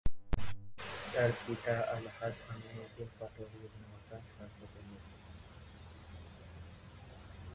তার পিতা আলহাজ্ব আমিন উদ্দিন পাটোয়ারী এবং মাতা সরাফাতুন্নেছা।